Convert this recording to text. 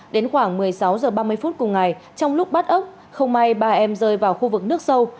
đến khoảng một mươi sáu h ba mươi phút cùng ngày trong lúc bắt ốc không may ba em rơi vào khu vực nước sâu